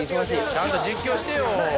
「ちゃんと実況してよ」